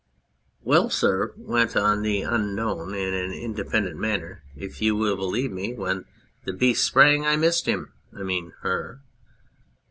" Well, sir," went on the Unknown in an inde pendent manner, " if you will believe me, when the beast sprang I missed him I mean her."